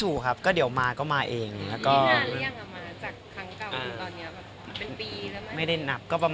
เกือบปีนี้ยังเหงาไหมครับ